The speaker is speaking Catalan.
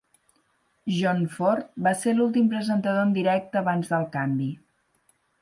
John Ford va ser l'últim presentador en directe abans del canvi.